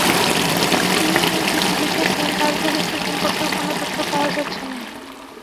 যিনি এই চিঠি লিখেছেন, তাঁর চরিত্র সম্পর্কেও কোনো তথ্য পাওয়া যাচ্ছে না।